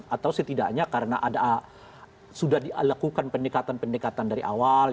atau setidaknya karena sudah dilakukan pendekatan pendekatan dari awal